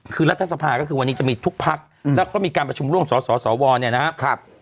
คือรัฐธรรมนุนก็คือวันนี้จะมีทุกภักดิ์และก็มีการประชุมร่วงสสสวเนี่ยนะครับ